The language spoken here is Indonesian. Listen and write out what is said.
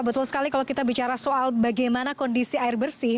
betul sekali kalau kita bicara soal bagaimana kondisi air bersih